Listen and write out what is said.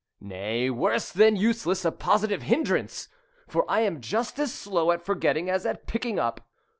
Nay, worse than useless; a positive hindrance. For I am just as slow at forgetting as at picking up.